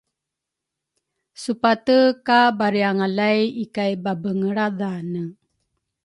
Supate ka bariangalay ikay babengelradhane